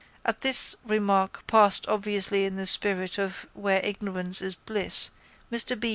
At this remark passed obviously in the spirit of where ignorance is bliss Mr B.